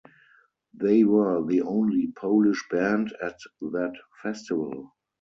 They were the only Polish band at that festival.